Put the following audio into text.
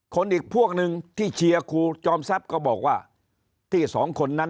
คนอีกพวกนึงที่เชียวครูจอมซับก็บอกว่าที่สองคนนั้น